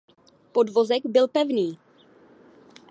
Podvozek byl pevný.